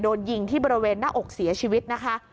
โดนยิงที่บริเวณหน้าอกเสียชีวิตนะคะ